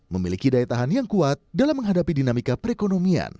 memiliki daya tahan yang kuat dalam menghadapi dinamika perekonomian